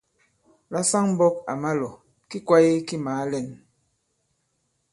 La saŋ-mbɔ̄k à ma-lɔ̀, ki kwāye ki màa lɛ᷇n.